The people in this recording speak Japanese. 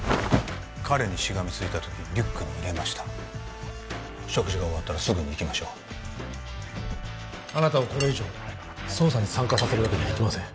彼にしがみついた時リュックに入れました食事が終わったらすぐに行きましょうあなたをこれ以上捜査に参加させるわけにはいきません